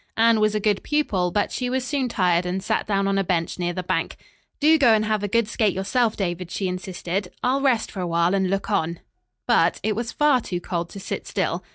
Anne was a good pupil, but she was soon tired and sat down on a bench near the bank. "Do go and have a good skate yourself, David," she insisted. "I'll rest for awhile and look on." But it was far too cold to sit still.